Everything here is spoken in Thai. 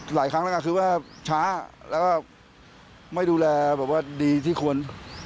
หลายครั้งแล้วก็คือว่าช้าแล้วก็ไม่ดูแลแบบว่าดีที่ควร